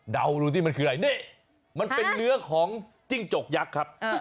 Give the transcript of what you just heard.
ดูสิมันคืออะไรนี่มันเป็นเนื้อของจิ้งจกยักษ์ครับ